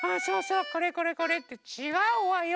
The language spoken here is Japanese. これこれこれ。ってちがうわよ！